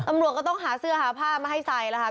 ตำรวจก็ต้องหาเสื้อหาผ้ามาให้ใส่แล้วค่ะ